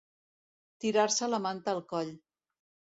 Tirar-se la manta al coll.